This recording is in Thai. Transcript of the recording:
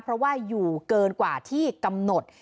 เพราะว่าอยู่เกินกว่าที่กำหนด